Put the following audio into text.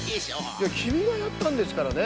いやきみがやったんですからね。